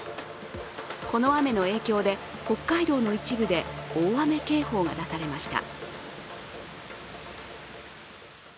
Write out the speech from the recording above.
この雨の影響で北海道の一部で大雨警報が出されました。